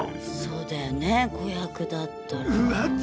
そうだよね子役だったら。